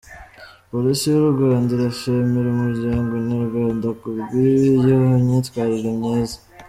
Polisi y’u Rwanda irashimira Umuryango nyarwanda ku bw’iyo myitwarire myiza."